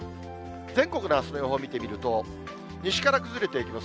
全国のあすの予報見てみると、西から崩れていきます。